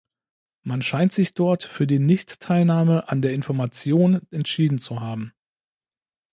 Man scheint sich dort für die Nicht-Teilnahme an der Information entschieden zu haben.